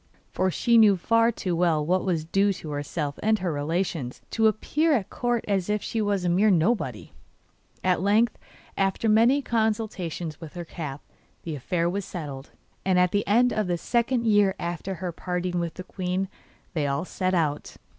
For she knew far too well what was due to herself and her relations, to appear at Court as if she was a mere nobody. At length, after many consultations with her cap, the affair was settled, and at the end of the second year after her parting with the queen they all set out.